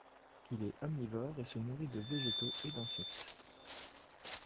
Il est omnivore et se nourrit de végétaux et d’insectes.